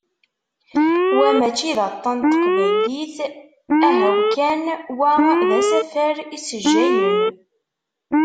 Wa mačči d aṭan n teqbaylit, ahaw kan, wa d asafar issejjayen.